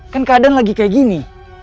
kan keadaan lagi kayak gini